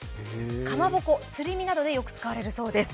かまぼこ、すり身などでよく使われるそうです。